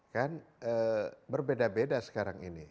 kan berbeda beda sekarang ini